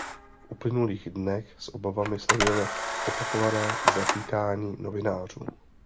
V uplynulých dnech s obavami sledujeme opakované zatýkání novinářů.